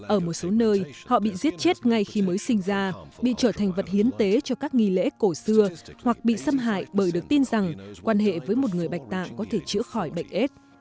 ở một số nơi họ bị giết chết ngay khi mới sinh ra bị trở thành vật hiến tế cho các nghi lễ cổ xưa hoặc bị xâm hại bởi được tin rằng quan hệ với một người bạch tạng có thể chữa khỏi bệnh s